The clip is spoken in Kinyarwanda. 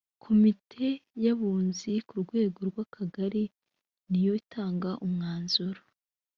komite y’abunzi ku rwego rw’akagari ni yo itanga umwanzuro